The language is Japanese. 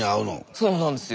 そうなんですよ。